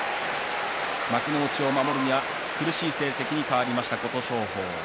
幕内を守るには苦しい成績に変わりました琴勝峰。